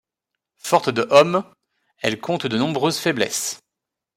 Forte de hommes, elle compte de nombreuses faiblesses.